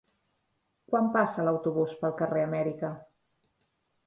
Quan passa l'autobús pel carrer Amèrica?